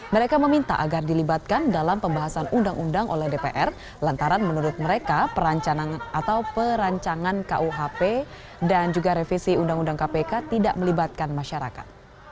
mereka meminta agar dilibatkan dalam pembahasan undang undang oleh dpr lantaran menurut mereka perancangan rkuhp dan revisi uu kpk tidak melibatkan masyarakat